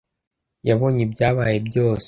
yabonye ibyabaye byose